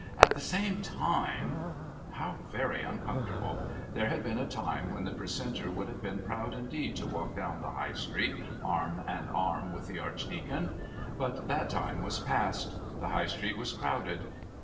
At the same time " How very uncomfortable! There had been a time when the Precentor would have been proud indeed to walk down the High Street arm in arm with the Archdeacon. But that time was past. The High Street was crowded.